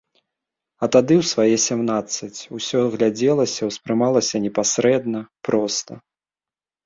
А тады, у свае сямнаццаць, усё глядзелася, успрымалася непасрэдна, проста.